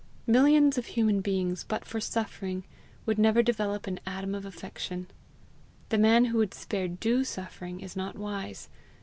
Millions of human beings but for suffering would never develop an atom of affection. The man who would spare DUE suffering is not wise.